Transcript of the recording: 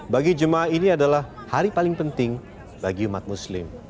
bagi jemaah ini adalah hari paling penting bagi umat muslim